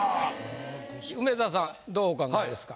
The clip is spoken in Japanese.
梅沢さんどうお考えですか？